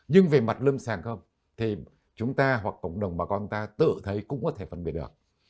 nhưng về mặt lâm sàng không thì chúng ta hoặc cộng đồng bà con ta tự thấy cũng có thể phân biệt được